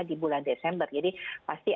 di bulan desember jadi